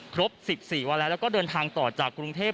ครบ๑๔วันแล้วแล้วก็เดินทางต่อจากกรุงเทพ